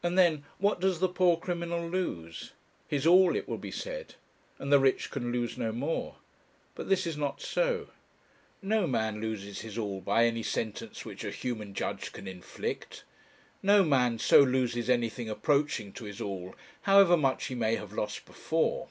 And then, what does the poor criminal lose? His all, it will be said; and the rich can lose no more. But this is not so. No man loses his all by any sentence which a human judge can inflict. No man so loses anything approaching to his all, however much he may have lost before.